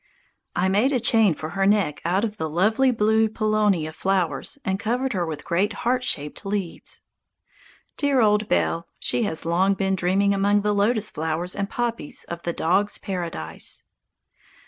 I made a chain for her neck out of the lovely blue Paulownia flowers and covered her with great heart shaped leaves. Dear old Belle, she has long been dreaming among the lotus flowers and poppies of the dogs' paradise.